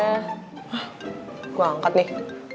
hah gue angkat nih